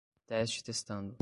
Teste testando